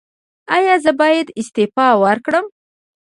ایا زه باید استعفا ورکړم؟